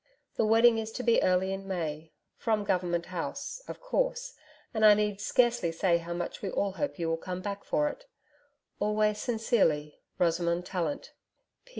The wedding is to be early in May, from Government House, of course, and I need scarcely say how much we all hope you will come back for it. Always sincerely, ROSAMOND TALLANT.